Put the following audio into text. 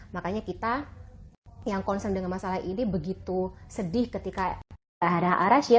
makanya kita yang concern dengan masalah ini begitu sedih ketika ada arasyid